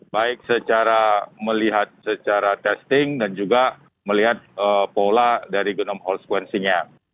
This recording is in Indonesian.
baik secara melihat secara testing dan juga melihat pola dari genome whole sequencingnya